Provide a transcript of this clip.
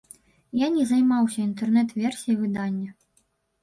Я не займаўся інтэрнэт-версіяй выдання.